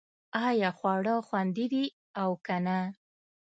ایا خواړه خوندي دي او که نه